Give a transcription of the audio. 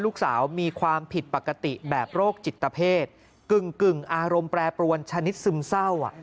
ลูกสาวมีความผิดปกติแบบโรคจิตเพศกึ่งอารมณ์แปรปรวนชนิดซึมเศร้า